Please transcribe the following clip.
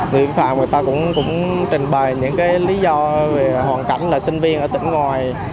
người vi phạm người ta cũng trình bày những cái lý do về hoàn cảnh là sinh viên ở tỉnh ngoài